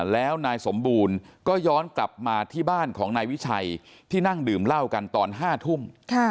แล้วนายสมบูรณ์ก็ย้อนกลับมาที่บ้านของนายวิชัยที่นั่งดื่มเหล้ากันตอน๕ทุ่ม